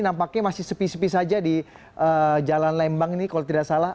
nampaknya masih sepi sepi saja di jalan lembang ini kalau tidak salah